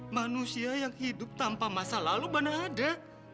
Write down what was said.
manusia yang hidup tanpa masa lalu mana ada